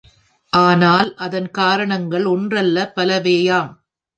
ஆனால், அதன் காரணங்கள் ஒன்றல்ல பலவேயாம்.